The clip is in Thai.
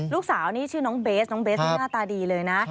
ลูกสาวนี่ชื่อน้องเบสน้องเบสนี่หน้าตาดีเลยนะ